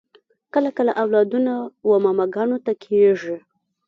کله کله اولادونه و ماماګانو ته کیږي